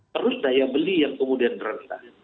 terus daya beli yang kemudian rendah